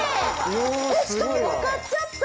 えっしかも分かっちゃった。